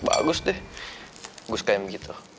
bagus deh gue suka yang begitu